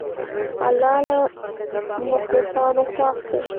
الله له مخلصانو خوښ دی.